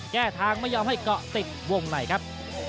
แก้ทางไม่ยอมให้เกาะติดวงในครับ